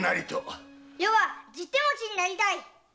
余は十手持ちになりたい！